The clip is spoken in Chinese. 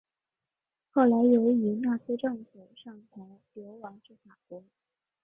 后来由于纳粹政府上台流亡至法国。